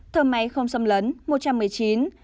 thợ máy không xâm lấn một trăm một mươi chín